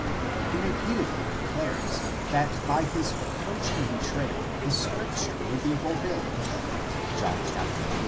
He repeatedly declares that by his approaching betrayal the scripture will be fulfilled (John xiii.